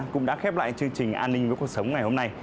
cũng đã khép lại chương trình an ninh với cuộc sống ngày hôm nay